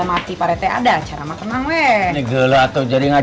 ansch lapar di bidang ijadal